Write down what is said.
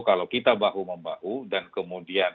kalau kita bahu membahu dan kemudian